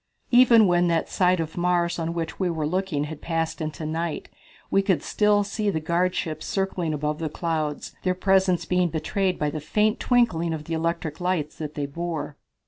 Even when that side of Mars on which we were looking had passed into night, we could still see the guardships circling above the clouds, their presence being betrayed by the faint twinkling of the electric lights that they bore.